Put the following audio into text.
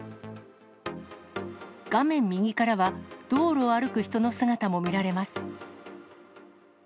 画面右からは道路を歩く人の姿も見られます。